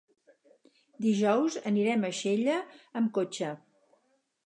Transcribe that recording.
Dijous anirem a Xella amb cotxe.